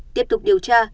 tiếp tục điều tra